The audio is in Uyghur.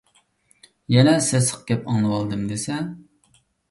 يەنە سېسىق گەپ ئاڭلىۋالدىم دېسە.